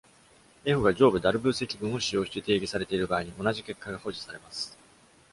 「F」が上部ダルブー積分を使用して定義されている場合に、同じ結果が保持されます。